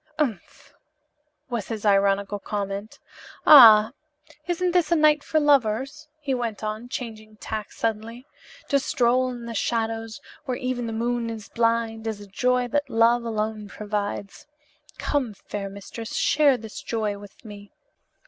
"Umph!" was his ironical comment. "Ah, isn't this a night for lovers?" he went on, changing tack suddenly. "To stroll in the shadows, where even the moon is blind, is a joy that love alone provides. Come, fair mistress, share this joy with me."